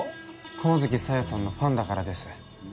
神月沙代さんのファンだからです。